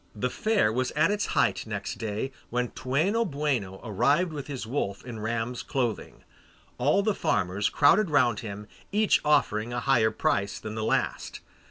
The fair was at its height next day when Toueno Boueno arrived with his wolf in ram's clothing. All the farmers crowded round him, each offering a higher price than the last.